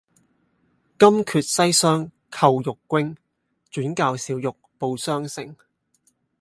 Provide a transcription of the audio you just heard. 金闕西廂叩玉扃，轉教小玉報雙成。